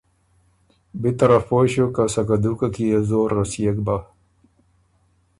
بی طرف پویٛ ݭیوک که سکه دُوکه کی يې زور رسيېک بۀ۔